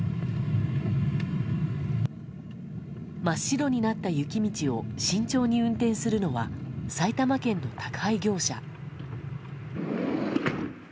真っ白になった雪道を慎重に運転するのは埼玉県の宅配業者。